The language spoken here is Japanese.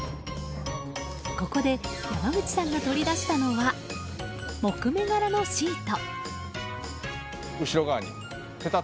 ここで山口さんが取り出したのは木目柄のシート。